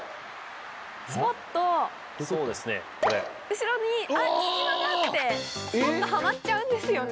後ろに隙間があってスポっとハマっちゃうんですよね。